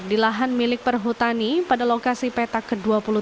di lahan milik perhutani pada lokasi petak ke dua puluh tiga